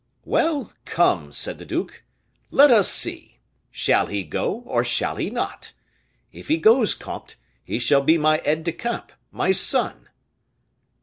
"Well, come," said the duke, "let us see! Shall he go, or shall he not? If he goes, comte, he shall be my aide de camp, my son."